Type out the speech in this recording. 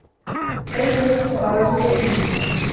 أين هي السّفارة الجزائريّة؟